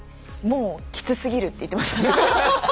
もうきつすぎるって言っていましたね。